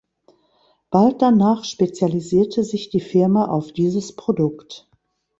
Bald danach spezialisierte sich die Firma auf dieses Produkt.